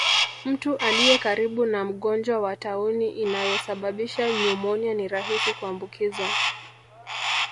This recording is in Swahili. Mtu aliyekaribu na mgonjwa wa tauni inayosababisha nyumonia ni rahisi kuambukizwa